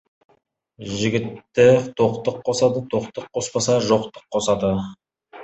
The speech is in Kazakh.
Жігітті тоқтық қосады, тоқтық қоспаса, жоқтық қосады.